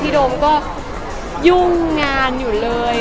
โดมก็ยุ่งงานอยู่เลย